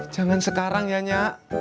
jangan sekarang ya nyak